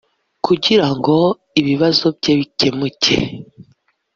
kugira ngo ibibazo bye bikemuke